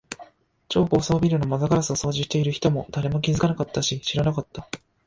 超高層ビルの窓ガラスを掃除している人も、誰も気づかなかったし、知らなかった。